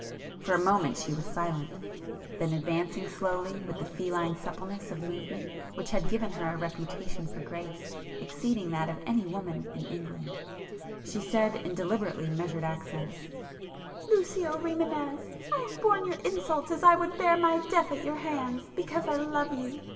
For a moment she was silent,—then advancing slowly with the feline suppleness of movement which had given her a reputation for grace exceeding that of any woman in England, she said in deliberately measured accents— "Lucio Rimânez, I have borne your insults as I would bear my death at your hands, because I love you.